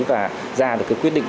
và ra được quyết định